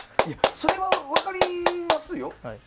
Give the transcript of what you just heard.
それは分かりますよ